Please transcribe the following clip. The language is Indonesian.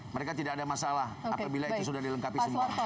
mereka tidak ada masalah apabila itu sudah dilengkapi semua